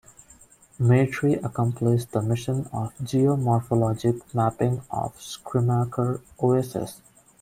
Maitri accomplished the mission of geomorphologic mapping of Schirmacher Oasis.